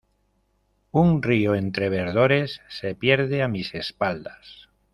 Un río entre verdores se pierde a mis espaldas.